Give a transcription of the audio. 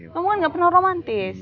kamu kan gak pernah romantis